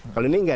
kalau ini enggak